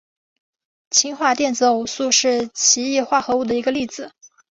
氢化电子偶素是奇异化合物的一个例子。